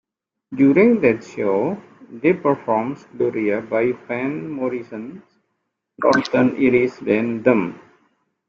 During that show, they performed "Gloria" by Van Morrison's Northern Irish band Them.